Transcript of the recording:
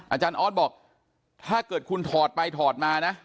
อาจารย์ออสบอกถ้าเกิดคุณถอดไปถอดมานะ